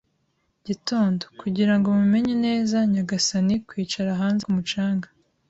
gitondo, kugira ngo mumenye neza, nyagasani, kwicara hanze ku mucanga. ”